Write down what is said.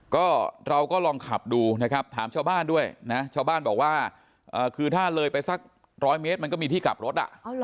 ก็เราก็ลองขับดูนะครับถามชาวบ้านด้วยนะชาวบ้านบอกว่าคือถ้าเลยไปสักร้อยเมตรมันก็มีที่กลับรถ